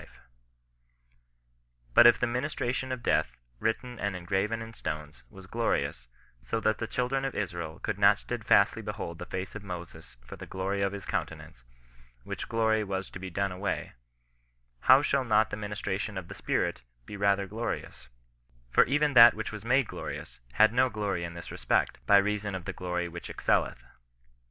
Ivfe, ■&\\.Si>&A IB 50 CHRISTIAN NON BESISTANOE. ministration of death, written and engraven in stones, was glorious, so that the children of Israel could not steadfastly behold the face of Moses for the glory of his countenance; which glory was to be done away; Low shall not the ministration of the Spirit be rather glori ous ]"" For even that which was made glorious, had no glory in this respect, by reason of the glory which ex celleth."